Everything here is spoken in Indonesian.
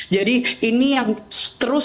jadi ini yang terus